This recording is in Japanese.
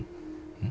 うん？